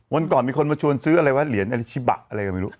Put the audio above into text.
วันก่อนมีคนมาชวนซื้ออะไรวะเหรียญอลิชิบะอะไรก็ไม่รู้